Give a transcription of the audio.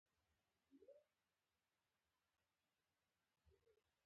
مستو وویل: ته کېنه.